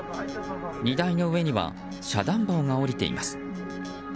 荷台の上には遮断棒が下りています。